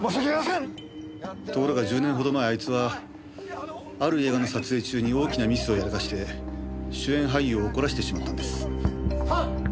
ところが１０年ほど前あいつはある映画の撮影中に大きなミスをやらかして主演俳優を怒らせてしまったんです。